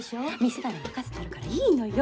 店なら任せてあるからいいのよ！